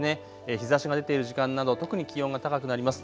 日ざしが出ている時間など特に気温が高くなります。